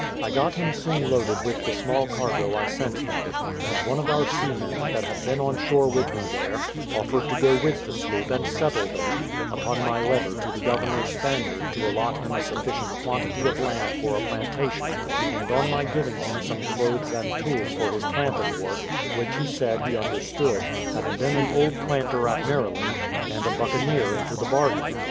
I got him soon loaded with the small cargo I sent them; and one of our seamen, that had been on shore with me there, offered to go with the sloop and settle there, upon my letter to the governor Spaniard to allot him a sufficient quantity of land for a plantation, and on my giving him some clothes and tools for his planting work, which he said he understood, having been an old planter at Maryland, and a buccaneer into the bargain.